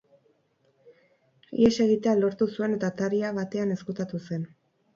Ihes egitea lortu zuen eta ataria batean ezkutatu zen.